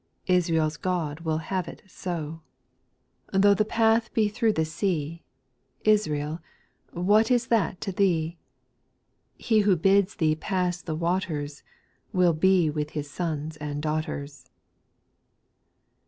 Israel's God will have it so ;^ 2S m 266 SPIRITUAL SONGS. Though the path be through the sea, Israel, what is that to thee ? He who bids thee pass the waters, Will be with His sons and daughters.